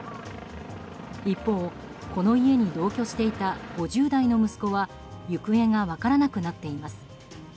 一方、この家に同居していた５０代の息子は行方が分からなくなっています。